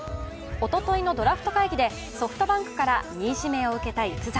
おとといのドラフト会議でソフトバンクから２位指名を受けた逸材。